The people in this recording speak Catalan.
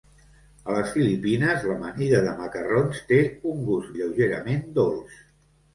A les Filipines, l'amanida de macarrons té un gust lleugerament dolç.